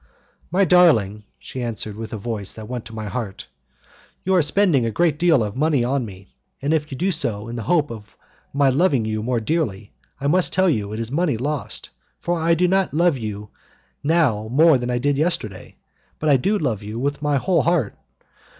"My darling," she answered, with a voice which went to my heart, "you are spending a great deal of money on me, and if you do so in the hope of my loving you more dearly I must tell you it is money lost, for I do not love you now more than I did yesterday, but I do love you with my whole heart.